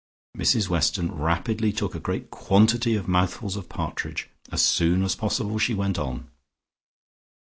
'" Mrs Weston rapidly took a great quantity of mouthfuls of partridge. As soon as possible she went on.